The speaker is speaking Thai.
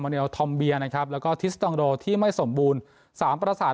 มันเนียลทอมเบียร์นะครับแล้วก็ที่ไม่สมบูรณ์สามปราสาท